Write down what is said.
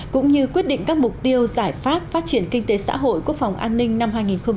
cũng như quyết định các mục tiêu giải pháp phát triển kinh tế xã hội quốc phòng an ninh năm hai nghìn hai mươi